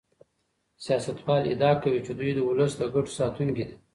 سياستوال ادعا کوي چي دوی د ولس د ګټو ساتونکي دي.